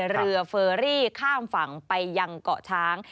เรือเฟอรี่ข้ามฝั่งไปยังเกาะช้าง